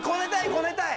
こねたい！